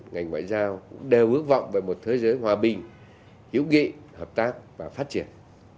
ngành ngoại giao đều ước vọng về một thế giới hòa bình hiệu nghị hợp tác và phát triển